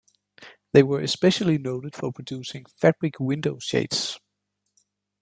They were especially noted for producing fabric window shades.